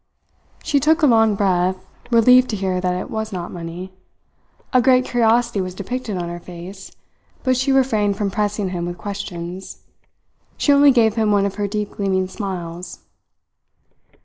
She took a long breath, relieved to hear that it was not money. A great curiosity was depicted on her face, but she refrained from pressing him with questions. She only gave him one of her deep gleaming smiles.